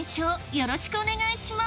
よろしくお願いします